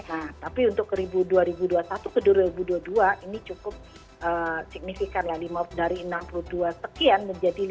nah tapi untuk ke dua ribu dua puluh satu ke dua ribu dua puluh dua ini cukup signifikan ya dari enam puluh dua sekian menjadi lima puluh